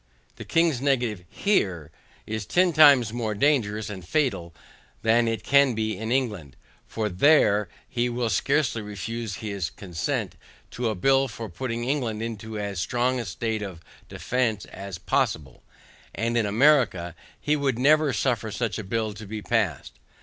The king's negative HERE is ten times more dangerous and fatal than it can be in England, for THERE he will scarcely refuse his consent to a bill for putting England into as strong a state of defence as possible, and in America he would never suffer such a bill to be passed.